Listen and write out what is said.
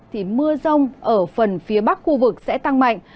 thì mưa rông ở phần phía bắc khu vực sẽ tăng mạnh